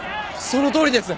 そのとおりです。